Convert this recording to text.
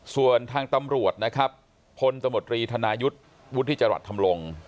ส่วนทางตำรวจนะครับพลตมตรีธนายุทธ์วุฒิจรัสธรรมรงค์